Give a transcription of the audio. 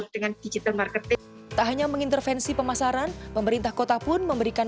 dengan digital marketing tak hanya mengintervensi pemasaran pemerintah kota pun memberikan